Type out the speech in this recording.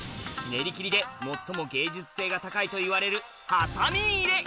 練り切りで最も芸術性が高いといわれる